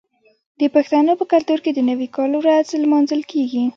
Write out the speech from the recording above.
د پښتنو په کلتور کې د نوي کال ورځ لمانځل کیږي.